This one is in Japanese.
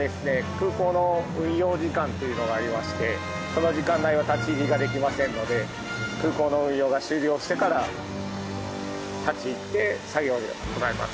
空港の運用時間というのがありましてその時間内は立ち入りができませんので空港の運用が終了してから立ち入って作業を行います。